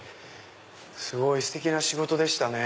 すごいステキな仕事でしたね。